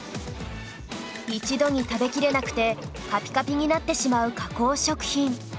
一度に食べきれなくてカピカピになってしまう加工食品